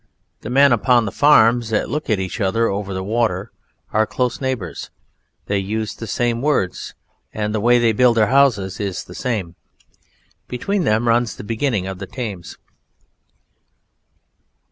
The men upon the farms that look at each other over the water are close neighbours; they use the same words and the way they build their houses is the same. Between them runs the beginning of the Thames.